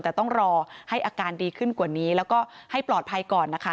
แต่ต้องรอให้อาการดีขึ้นกว่านี้แล้วก็ให้ปลอดภัยก่อนนะคะ